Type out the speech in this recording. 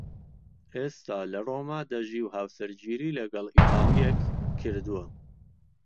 ئێستا لە ڕۆما دەژی و هاوسەرگیریی لەگەڵ ئیتاڵییەک کردووە.